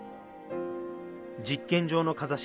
実験場の風下